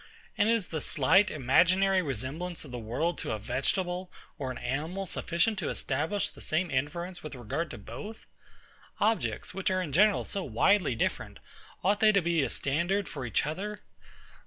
And is the slight, imaginary resemblance of the world to a vegetable or an animal sufficient to establish the same inference with regard to both? Objects, which are in general so widely different, ought they to be a standard for each other?